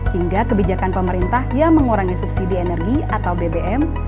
hingga kebijakan pemerintah yang mengurangi subsidi energi atau bbm